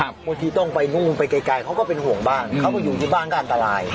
บางทีต้องไปนู่นไปไกลเขาก็เป็นห่วงบ้านเขาก็อยู่ที่บ้านก็อันตราย